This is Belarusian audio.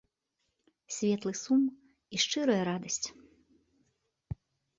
Светлы сум і шчырая радасць.